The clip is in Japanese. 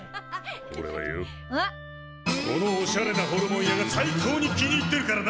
おれはよこのおしゃれなホルモン屋が最高に気に入ってるからな！